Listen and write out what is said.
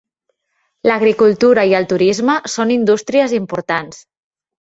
L'agricultura i el turisme són indústries importants.